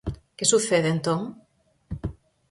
¿Que sucede, entón?